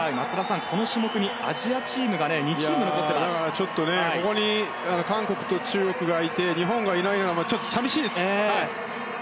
この種目にアジアチームが２チームここに韓国と中国がいて日本がいないのが寂しいです。